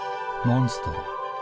モンストロ。